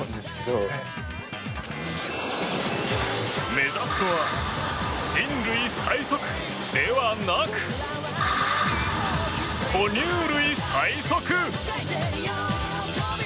目指すのは人類最速ではなく哺乳類最速。